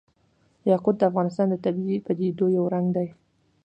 یاقوت د افغانستان د طبیعي پدیدو یو رنګ دی.